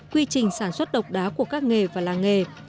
quy trình sản xuất độc đáo của các nghề và làng nghề